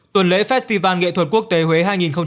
tuần lễ festival nghệ thuật quốc tế huế hai nghìn hai mươi bốn